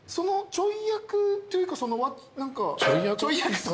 ちょい役というか。